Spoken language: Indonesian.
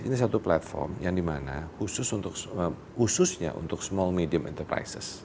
ini satu platform yang dimana khusus untuk khususnya untuk seorang pemerintah